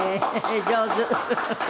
上手！